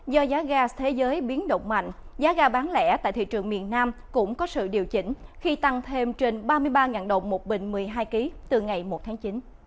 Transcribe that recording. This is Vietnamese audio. do giá gas thế giới biến động mạnh giá ga bán lẻ tại thị trường miền nam cũng có sự điều chỉnh khi tăng thêm trên ba mươi ba đồng một bình một mươi hai kg từ ngày một tháng chín